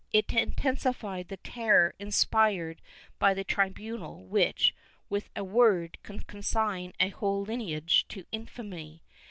It intensified the terror inspired by the tribunal which, with a word, could consign a whole lineage to infamy.